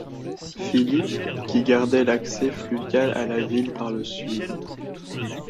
Philip, qui gardaient l'accès fluvial à la ville par le sud.